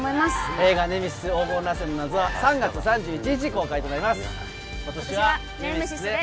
『映画ネメシス黄金螺旋の謎』は３月３１日公開となります。